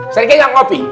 saya kejam kopi